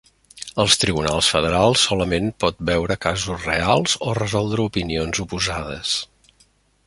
Els tribunals federals solament pot veure casos reals o resoldre opinions oposades.